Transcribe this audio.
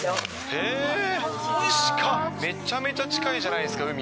へぇー、めちゃめちゃ近いじゃないですか、海。